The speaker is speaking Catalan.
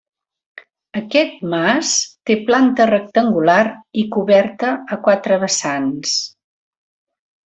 Aquest mas té planta rectangular i coberta a quatre vessants.